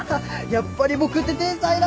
やっぱり僕って天才なんだ！